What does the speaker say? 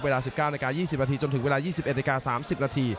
เวลา๑๙น๒๐นจนถึงเวลา๒๑น๓๐น